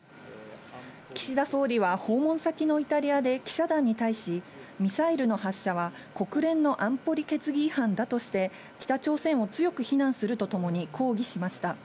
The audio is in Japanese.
岸田総理は訪問先のイタリアで記者団に対し、ミサイルの発射は国連の安保理決議違反だとして、北朝鮮を強く非難するとともに抗議しました。